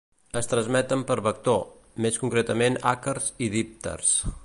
Es transmeten per vector, més concretament àcars i dípters.